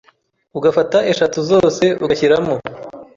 ugafata eshatu zose ugashyiramo